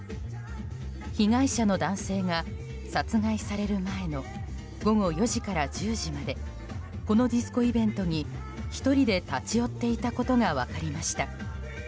被害者の男性が殺害される前の午後４時から１０時までこのディスコイベントに１人で立ち寄っていたことが分かりました。